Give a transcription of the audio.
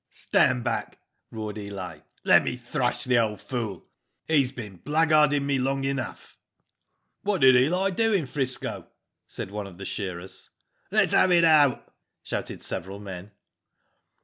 "Stand back," roared Eli. "Let me thrash the old fool. He's been blackguarding me long enough.^ "What did Eli do in 'Frisco?" said one of the shearers. "Let's have it out," shouted several men.